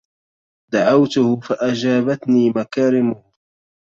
دعوته فأجابتني مكارمه